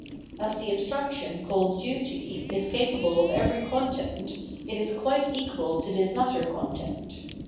As the abstraction called " duty " is capable of every content, it is quite equal to this latter content.